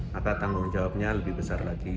maka tanggung jawabnya lebih besar lagi